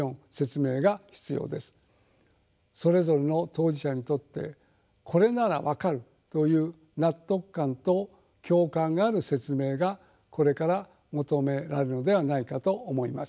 それぞれの当事者にとって「これなら分かる」という納得感と共感がある説明がこれから求められるのではないかと思います。